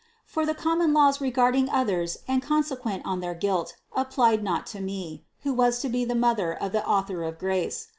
For the common laws regarding others and consequent on their guilt, applied not to me, who was to be the Mother of the Author of Grace.